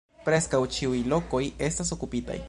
Preskaŭ ĉiuj lokoj estas okupitaj.